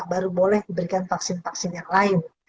baru boleh diberikan vaksin vaksin yang lain